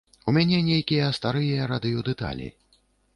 У мяне нейкія старыя радыёдэталі.